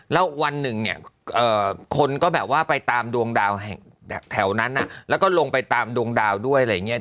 แล้ววันหนึ่งเนี่ยคนก็แบบว่าไปตามดวงดาวแห่งแถวนั้นแล้วก็ลงไปตามดวงดาวด้วยอะไรอย่างนี้